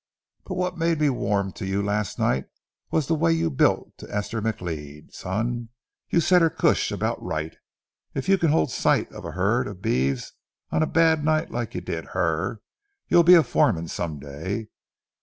But what made me warm to you last night was the way you built to Esther McLeod. Son, you set her cush about right. If you can hold sight on a herd of beeves on a bad night like you did her, you'll be a foreman some day.